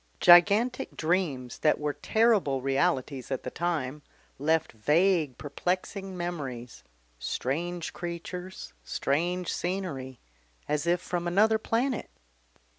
Gigantic dreams that were terrible realities at the time, left vague perplexing memories, strange creatures, strange scenery, as if from another planet.